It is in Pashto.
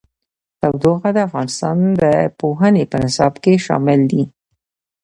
تودوخه د افغانستان د پوهنې په نصاب کې شامل دي.